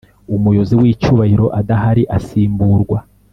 Umuyobozi w icyubahiro adahari asimburwa